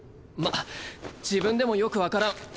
まっ自分でもよく分からん。